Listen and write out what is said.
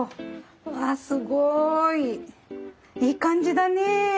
わあすごい！いい感じだねえ。